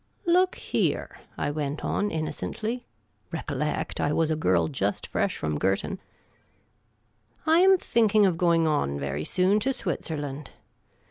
" Look here," I went on, innocently — recollect, I was a girl just fresh from Girton —" I am thinking of going on very soon to Switzerland.